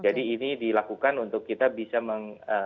jadi ini dilakukan untuk kita bisa mengurangi